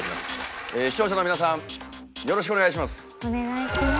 視聴者の皆さんよろしくお願いします。